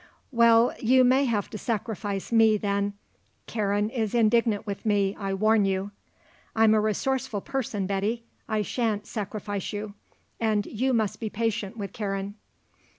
"Well; you may have to sacrifice me, then. Karen is indignant with me, I warn you." "I'm a resourceful person, Betty. I shan't sacrifice you. And you must be patient with Karen."